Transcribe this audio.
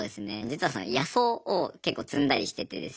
実は野草を結構摘んだりしててですね。